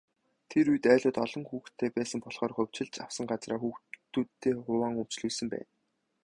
Тэр үед, айлууд олон хүүхэдтэй байсан болохоор хувьчилж авсан газраа хүүхдүүддээ хуваан өмчлүүлсэн байна.